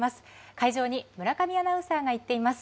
会場に村上アナウンサーが行っています。